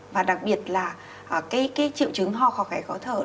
và đặc biệt là triệu chứng ho khó hẹ khó thở